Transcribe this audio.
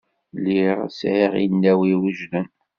Lliɣ sεiɣ inaw iwejden.